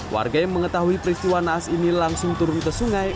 warga yang mengetahui peristiwa naas ini langsung turun ke sungai